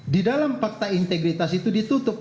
di dalam fakta integritas itu ditutup